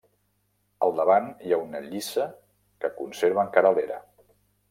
Al davant hi ha una lliça que conserva encara l'era.